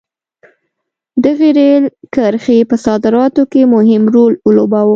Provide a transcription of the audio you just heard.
دغې رېل کرښې په صادراتو کې مهم رول ولوباوه.